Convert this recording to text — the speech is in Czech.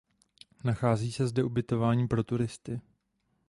Nachází se zde ubytování pro turisty.